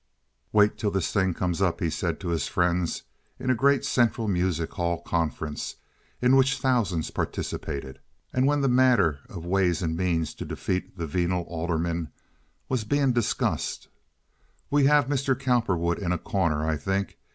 "Wait till the thing comes up," he said to his friends, in a great central music hall conference in which thousands participated, and when the matter of ways and means to defeat the venal aldermen was being discussed. "We have Mr. Cowperwood in a corner, I think.